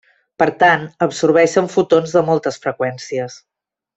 Per tant absorbeixen fotons de moltes freqüències.